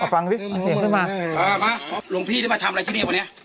ลงพี่แล้วมาทำอะไรที่เนี่ยบันนี้